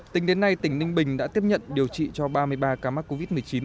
tính đến nay tỉnh ninh bình đã tiếp nhận điều trị cho ba mươi ba ca mắc covid một mươi chín